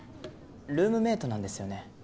ルームメイトなんですよね？